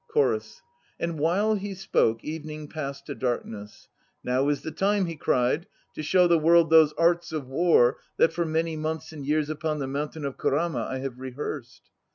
CHORUS. And while he spoke, evening passed to darkness. "Now is the time," he cried, "to show the world those arts of war that for many months and years upon the Mountain of Kurama I have rehearsed."